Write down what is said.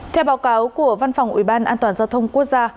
theo báo cáo của văn phòng ủy ban an toàn giao thông quốc gia